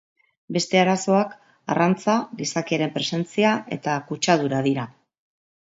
Beste arazoak arrantza, gizakiaren presentzia eta kutsadura dira.